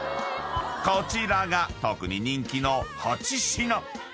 ［こちらが特に人気の８品］